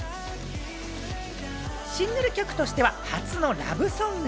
シングル曲としては初のラブソング。